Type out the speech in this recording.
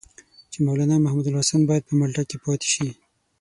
چې مولنا محمودالحسن باید په مالټا کې پاتې شي.